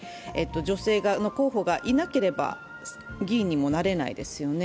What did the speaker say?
女性の候補がいなければ議員にもなれないですよね。